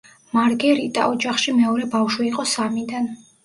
მარგერიტა ოჯახში მეორე ბავშვი იყო სამიდან.